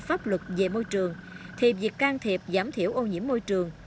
pháp luật về môi trường thì việc can thiệp giảm thiểu ô nhiễm môi trường